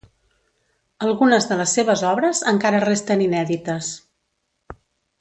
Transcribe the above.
Algunes de les seves obres encara resten inèdites.